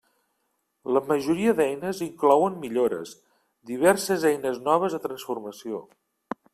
La majoria d'eines inclouen millores, diverses eines noves de transformació.